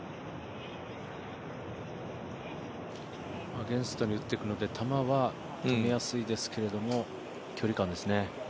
アゲンストに打ってくるので球は上げやすいですけど距離感ですね。